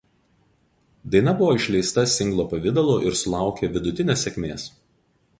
Daina buvo išleista singlo pavidalu ir sulaukė vidutinės sėkmės.